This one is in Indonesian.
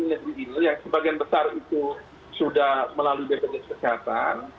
bpnk kesehatan ini yang sebagian besar itu sudah melalui bpnk kesehatan